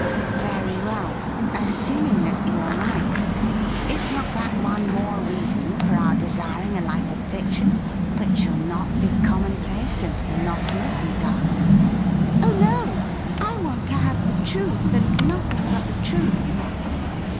' Very well ; assuming that you are right, is not that one more reason for our desiring a life of fiction, which shall not be commonplace and monotonous and dull .?'' Oh no ; I want to have the truth, and nothing but the truth.'